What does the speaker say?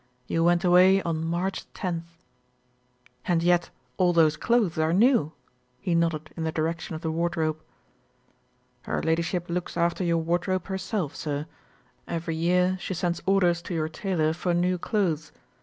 "You went away on March loth." "And yet all those clothes are new?" he nodded in the direction of the wardrobe. WHAT THE BUTLER TOLD 47 "Her Ladyship looks after your wardrobe herself, sir. Every year she sends orders to your tailor for new clothes.